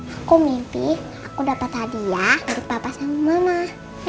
aku mimpi aku dapat hadiah dari papa sama mama